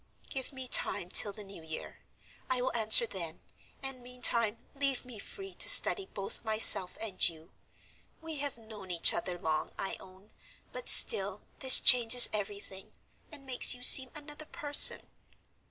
"Give me time till the New Year. I will answer then, and, meantime, leave me free to study both myself and you. We have known each other long, I own, but, still, this changes everything, and makes you seem another person.